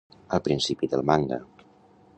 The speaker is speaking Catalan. Al principi del manga.